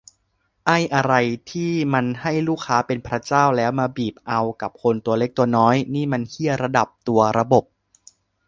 ไอ้อะไรที่มันให้ลูกค้าเป็นพระเจ้าแล้วมาบีบเอากับคนตัวเล็กตัวน้อย นี่มันเหี้ยที่ระดับตัวระบบ